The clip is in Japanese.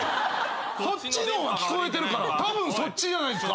そっちのは聞こえてるからたぶんそっちじゃないですか？